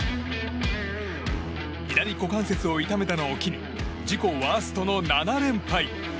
左股関節を痛めたのを機に自己ワーストの７連敗。